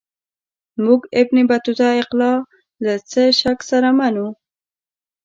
موږ ابن بطوطه اقلا له څه شک سره منو.